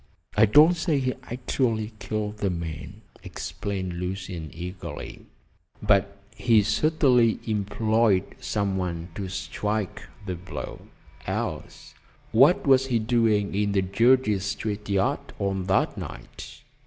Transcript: "I don't say he actually killed the man," explained Lucian eagerly, "but he certainly employed some one to strike the blow, else what was he doing in the Jersey Street yard on that night?